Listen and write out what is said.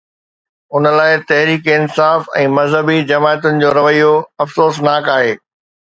ان لاءِ تحريڪ انصاف ۽ مذهبي جماعتن جو رويو افسوسناڪ آهي.